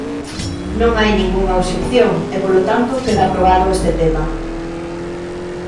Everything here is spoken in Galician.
Non hai ningunha obxección e, polo tanto, queda aprobado este tema.